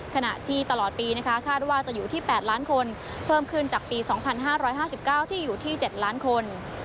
ขณะที่ตลอดปีนะคะคาดว่าจะอยู่ที่๘ล้านคนเพิ่มขึ้นจากปี๒๕๕๙ที่อยู่ที่๗ล้านคน